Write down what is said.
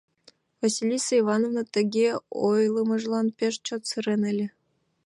Василиса Ивановна тыге ойлымыжлан пеш чот сырен ыле.